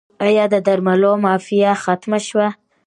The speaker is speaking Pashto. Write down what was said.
آیا د درملو مافیا ختمه شوه؟